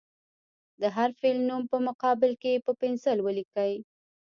د هر فعل نوم په مقابل کې په پنسل ولیکئ.